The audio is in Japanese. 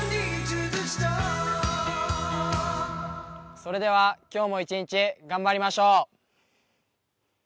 それでは今日も一日、頑張りましょう。